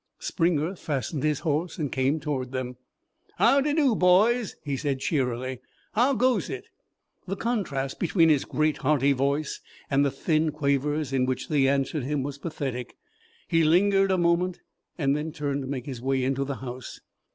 Springer fastened his horse, and came toward them. "How d' do, boys?" he said cheerily. "How goes it?" The contrast between his great hearty voice and the thin quavers in which they answered him was pathetic. He lingered a moment, and then turned to make his way into the house.